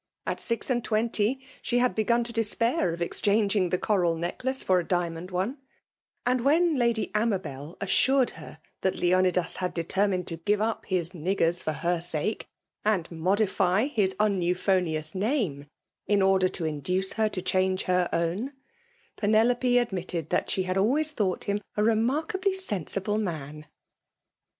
At six and twenty> she had begun to despair of exchanging the coral necUace for a diamond one; and when Lady Amabel assured her that Leonidas had determined to give up his '' niggers" for her sake, and modify his uncupho neoos name in order to induce her to change her own^ Penelope admitted that she had always thought him a remarkably sensible man.